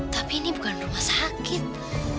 tapi ini bukan rumah sakit